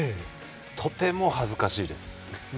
とても恥ずかしいです。